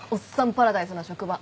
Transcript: パラダイスな職場。